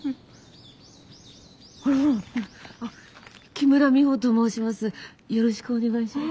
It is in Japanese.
木村美穂と申します。